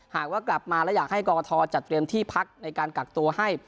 หากว่ากลับมาแล้วอยากให้กรกฐจัดเตรียมที่พักในการกักตัวให้